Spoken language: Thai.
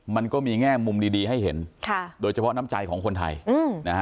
มันก็มีแง่มุมดีดีให้เห็นค่ะโดยเฉพาะน้ำใจของคนไทยนะฮะ